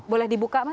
boleh dibuka mas